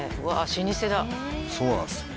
老舗だそうなんですよ